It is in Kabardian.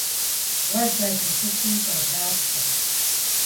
- Уэ, дадэ, сыту ущӀалафэ!